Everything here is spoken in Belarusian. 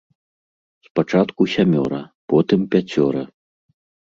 Спачатку сямёра, потым пяцёра.